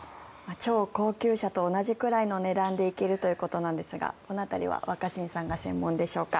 超高級車と同じくらいの値段で行けるということですがこの辺りは若新さんが専門でしょうか。